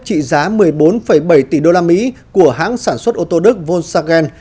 trị giá một mươi bốn bảy tỷ đô la mỹ của hãng sản xuất ô tô đức volsagen